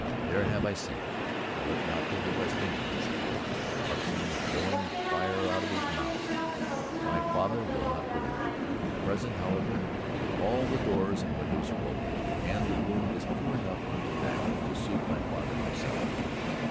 There have I seen (tell it not to the West Indians), Buxton blowing fire out of his mouth. My father will not believe it. At present, however, all the doors and windows are open, and the room is pure enough from tobacco to suit my father himself."